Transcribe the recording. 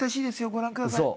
ご覧ください。